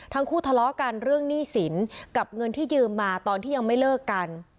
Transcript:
ทั้งคู่ทะเลาะกันเรื่องหนี้สินกับเงินที่ยืมมาตอนที่ยังไม่เลิกกัน